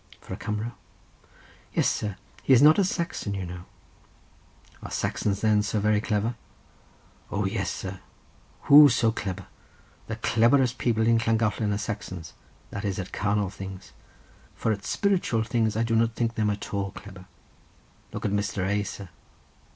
"For a Cumro?" "Yes, sir, he is not a Saxon, you know." "Are Saxons then so very clever?" "O yes, sir; who so clebber? The clebberest people in Llangollen are Saxons; that is, at carnal things—for at spiritual things I do not think them at all clebber. Look at Mr. A., sir."